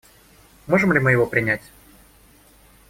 Можем ли мы его принять?